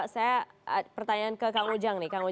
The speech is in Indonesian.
saya pertanyaan ke kang ujang nih